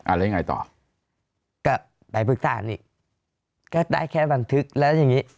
แล้วยังไงต่อก็ไปปรึกษานี่ก็ได้แค่บันทึกแล้วอย่างงี้